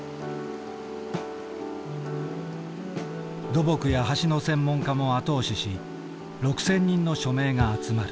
土木や橋の専門家も後押しし６，０００人の署名が集まる。